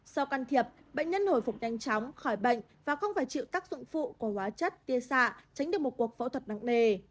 sau căn thiệp bệnh nhân hồi phục nhanh chóng khỏi bệnh và không phải chịu các dụng phụ của hóa chất tiê xạ tránh được một cuộc phẫu thuật nắng mề